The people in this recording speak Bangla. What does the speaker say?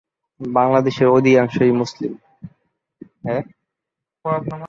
প্রায়শই চীনের বাইরে অবস্থিত প্রবাসী সংখ্যালঘু চীনা সম্প্রদায়ের লোকেরা এই মনোভাবের শিকার হন।